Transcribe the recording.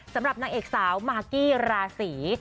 สำหรับนางเอกสาวมากกี้ราศี